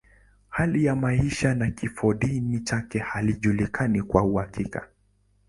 Hali ya maisha na kifodini chake haijulikani kwa uhakika.